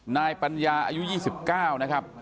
นายปัญญาอายุ๒๙นะครับ